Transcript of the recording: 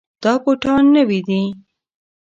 دا بوټان نوي دي.